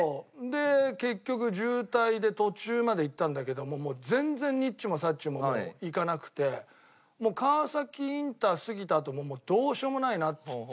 で結局渋滞で途中まで行ったんだけどもう全然にっちもさっちもいかなくて川崎インター過ぎたあともうどうしようもないなっつって。